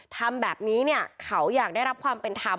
ทำแบบนี้เนี่ยเขาอยากได้รับความเป็นธรรม